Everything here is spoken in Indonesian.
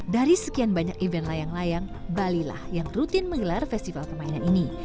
dari sekian banyak event layang layang balilah yang rutin menggelar festival permainan ini